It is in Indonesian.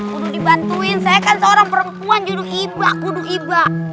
kudu dibantuin saya kan seorang perempuan judo ibak kudu ibak